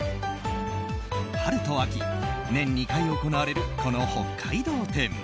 春と秋、年２回行われるこの北海道展。